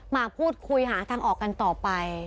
มาพูดคุยหาทางออกกันต่อไป